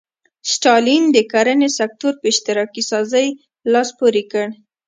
ستالین د کرنې سکتور په اشتراکي سازۍ لاس پورې کړ.